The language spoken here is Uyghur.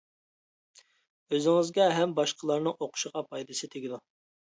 ئۆزىڭىزگە ھەم باشقىلارنىڭ ئوقۇشىغا پايدىسى تېگىدۇ.